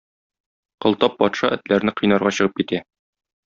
Кылтап патша этләрне кыйнарга чыгып китә.